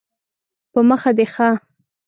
په مخه دې ښه